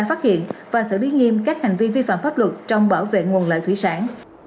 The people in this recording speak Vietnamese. phát hiện và xử lý nghiêm các hành vi vi phạm pháp luật trong bảo vệ nguồn lợi thủy sản